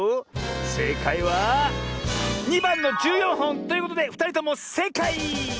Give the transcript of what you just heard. せいかいは２ばんの１４ほんということでふたりともせいかい！